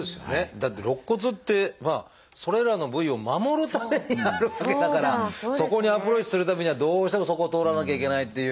だって肋骨ってそれらの部位を守るためにあるわけだからそこにアプローチするためにはどうしてもそこを通らなきゃいけないっていう。